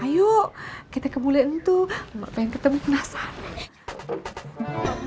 ayo kita ke bule itu emak pengen ketemu penasaran